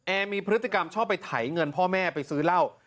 มีพฤติกรรมชอบไปไถเงินพ่อแม่ไปซื้อเหล้า